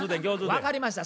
分かりました。